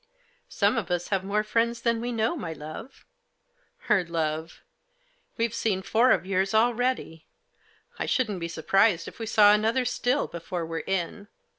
" Some of us have more friends than we know, my love." Her love !" We've seen four of yours already ; I shouldn't be surprised if we saw another still before we're in."